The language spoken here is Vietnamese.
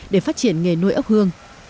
để phát triển nghề nuôi ốc hương